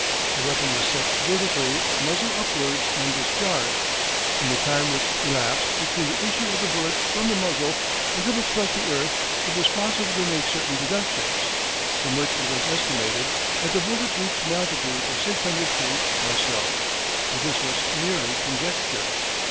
The weapon was set vertically muzzle upwards and discharged. From the time which elapsed between the issue of the bullet from the muzzle until it struck the earth it was possible to make certain deductions, from which it was estimated that the bullet reached an altitude of 600 feet or so. But this was merely conjecture.